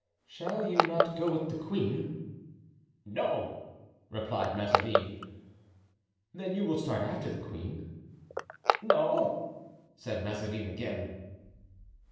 "Shall you not go with the queen?" "No," replied Mazarin. "Then you will start after the queen?" "No," said Mazarin again.